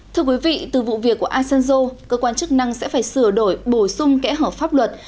thưa quý vị từ vụ việc của asanjo cơ quan chức năng sẽ phải sửa đổi bổ sung kẽ hở pháp luật